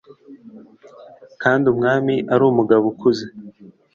kandi Umwami ari umugabo ukuze,